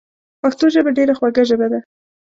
پښتو ژبه ډیره خوږه ژبه ده